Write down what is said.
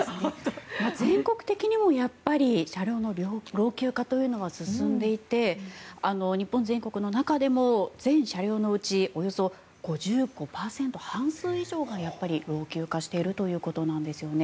全国的にも車両の老朽化というのは進んでいて日本全国の中でも全車両のうちおよそ５５％％半数以上が老朽化しているということなんですよね。